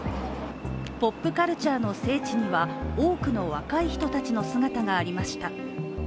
ポップカルチャーの聖地には、多くの若い人たちの姿がありました。